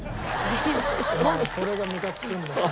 お前それがむかつくんだよ。